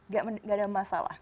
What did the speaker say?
gak ada masalah